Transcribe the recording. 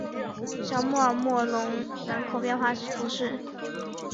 小穆尔默隆人口变化图示